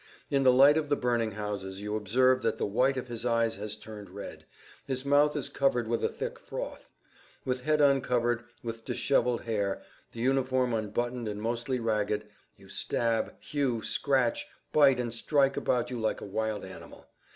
In the light of the burning houses you observe that the white of his eyes has turned red; his mouth is covered with a thick froth. With head uncovered, with disheveled hair, the uniform unbuttoned and mostly ragged, you[Pg 41] stab, hew, scratch, bite and strike about you like a wild animal.